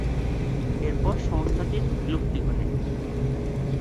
এরপর সংস্থাটির বিলুপ্তি ঘটে।